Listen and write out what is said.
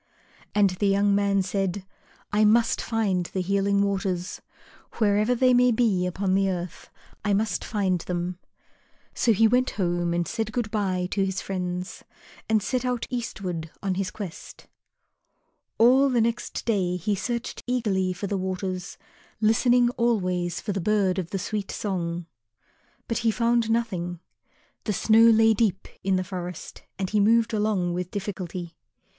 And the young man said, "I must find the Healing Waters. Wherever they may be upon the earth, I must find them." So he went home and said good bye to his friends, and set out eastward on his quest. All the next day he searched eagerly for the Waters, listening always for the bird of the sweet song. But he found nothing. The snow lay deep in the forest and he moved along with difficulty.